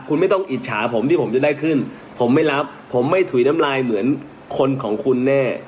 คุณไม่ต้องอิจฉาผมที่ผมจะได้ขึ้นผมไม่รับผมไม่ถุยน้ำลายเหมือนคนของคุณแน่